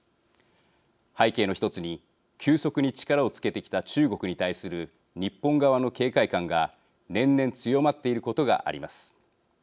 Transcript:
背景の１つに急速に力をつけてきた中国に対する日本側の警戒感が年々、強まっていることがあります。